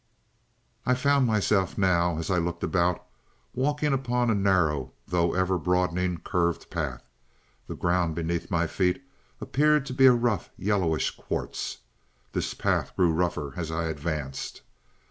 "I found myself now, as I looked about, walking upon a narrow, though ever broadening, curved path. The ground beneath my feet appeared to be a rough, yellowish quartz. This path grew rougher as I advanced.